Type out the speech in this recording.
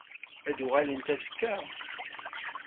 Ad d-uɣalent azekka?